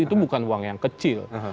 itu bukan uang yang kecil